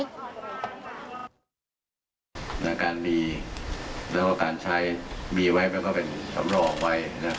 การมีแล้วก็การใช้มีไว้มันก็เป็นสำรองไว้